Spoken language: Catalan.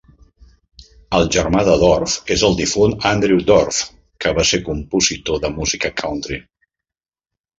El germà de Dorff és el difunt Andrew Dorff, que va ser compositor de música country.